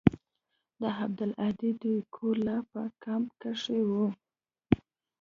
د عبدالهادي دوى کور لا په کمپ کښې و.